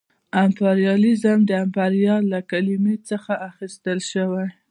امپریالیزم د امپریال له کلمې څخه اخیستل شوې ده